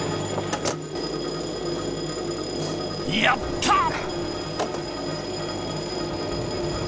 やった！